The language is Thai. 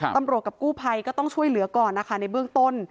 กับกู้ภัยก็ต้องช่วยเหลือก่อนนะคะในเบื้องต้น